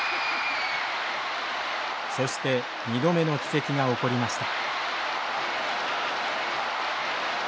そして２度目の奇跡が起こりました。